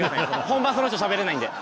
本番その人しゃべれないんで。